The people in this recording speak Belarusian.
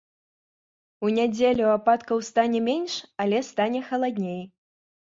У нядзелю ападкаў стане менш, але стане халадней.